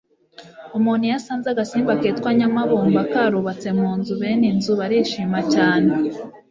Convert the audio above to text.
Umuntu iyo asanze agasimba kitwa Nyamabumba karubatse mu nzu, bene inzu barishima cyane